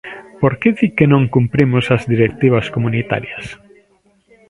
¿Por que di que non cumprimos as directivas comunitarias?